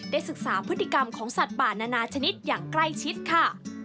ศึกษาพฤติกรรมของสัตว์ป่านานาชนิดอย่างใกล้ชิดค่ะ